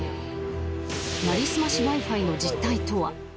なりすましＷｉ−Ｆｉの実態とは？